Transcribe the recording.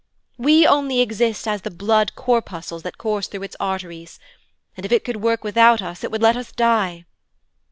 We only exist as the blood corpuscles that course through its arteries, and if it could work without us, it would let us die.